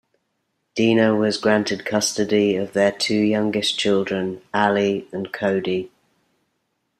Dina was granted custody of their two youngest children, Ali and Cody.